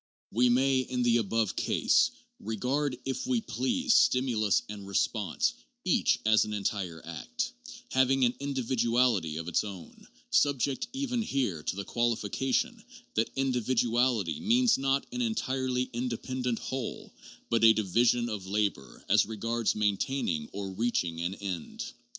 We may, in the above case, regard, if we please, stimulus and response each as an entire act, having an individuality of its own, subject even here to the qualification that individuality means not an entirely in dependent whole, but a division of labor as regards maintaining or reaching an end.